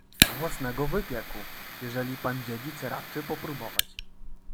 — Własnego wypieku, jeżeli pan dziedzic raczy popróbować.